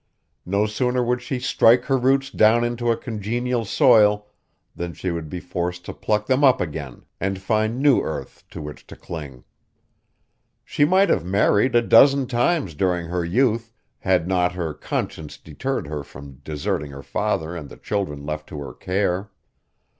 No sooner would she strike her roots down into a congenial soil than she would be forced to pluck them up again and find new earth to which to cling. She might have married a dozen times during her youth had not her conscience deterred her from deserting her father and the children left to her care.